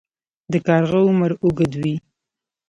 د کارغه عمر اوږد وي